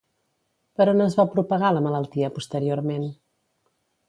Per on es va propagar la malaltia posteriorment?